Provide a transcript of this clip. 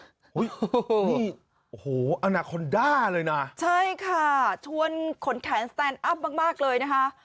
โอ้โหนี่โอ้โหอนาคอนด้าเลยนะใช่ค่ะชวนขนแขนสแตนอัพมากมากเลยนะคะ